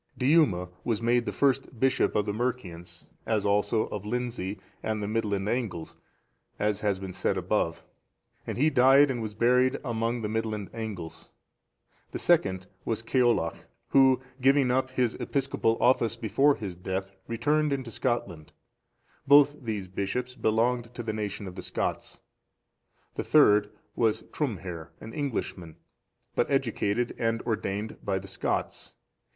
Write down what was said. Diuma was made the first bishop of the Mercians, as also of Lindsey and the Midland Angles, as has been said above,(444) and he died and was buried among the Midland Angles. The second was Ceollach,(445) who, giving up his episcopal office before his death, returned into Scotland. Both these bishops belonged to the nation of the Scots. The third was Trumhere, an Englishman, but educated and ordained by the Scots.